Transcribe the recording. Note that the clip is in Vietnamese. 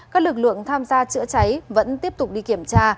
các lực lượng tham gia chữa cháy vẫn tiếp tục đi kiểm tra